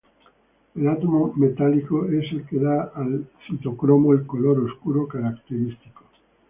El átomo metálico es el que da al citocromo el color oscuro característico.